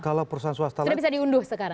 kalau perusahaan swasta lain